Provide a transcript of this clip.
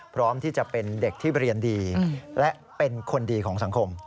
พร้อมที่จะเป็นเด็กที่เรียนดีและเป็นคนดีของสังคม